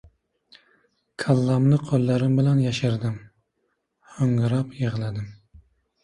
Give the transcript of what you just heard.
Kallamni qo‘llarim bilan yashirdim, ho‘ngrab yig‘ladim.